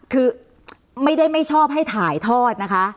คือไม่ได้ไม่ชอบให้ถ่ายทอดนะคะ